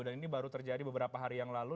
dan ini baru terjadi beberapa hari yang lalu